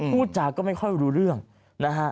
พูดจาก็ไม่ค่อยรู้เรื่องนะฮะ